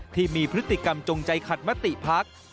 ที่มีพฤติกรรมจงใจขัดมติพัก